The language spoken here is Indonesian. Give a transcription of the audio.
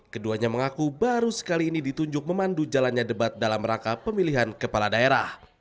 keduanya mengaku baru sekali ini ditunjuk memandu jalannya debat dalam rangka pemilihan kepala daerah